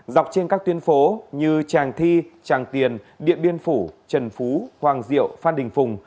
dọc trên các tuyến phố như tràng thi tràng tiền điện biên phủ trần phú hoàng diệu phan đình phùng